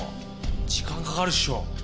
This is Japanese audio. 時間かかるっしょ？